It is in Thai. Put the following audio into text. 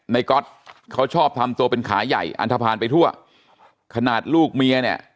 ก๊อตเขาชอบทำตัวเป็นขาใหญ่อันทภาณไปทั่วขนาดลูกเมียเนี่ย